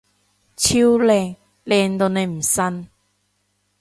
超靚！靚到你唔信！